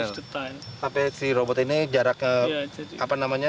harus kita lihat sampai si robot ini jarak ke apa namanya